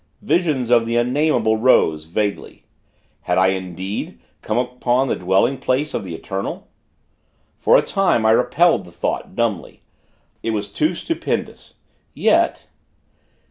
Visions of the Unnameable rose, vaguely. Had I, indeed, come upon the dwelling place of the Eternal? For a time, I repelled the thought, dumbly. It was too stupendous. Yet....